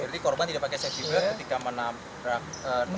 berarti korban tidak pakai safety belt ketika menabrak trotoar